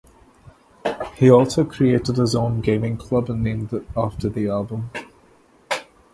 He also created his own gaming club and named it after the album.